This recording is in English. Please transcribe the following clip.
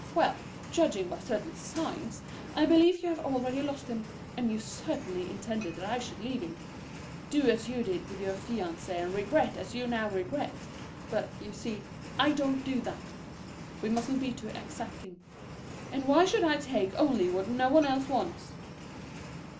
Well, judging by certain signs, I believe you have already lost him; and you certainly intended that I should leave him do as you did with your fiancê and regret as you now regret; but, you see, I don't do that we mustn't be too exacting. And why should I take only what no one else wants?